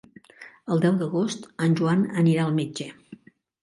El deu d'agost en Joan anirà al metge.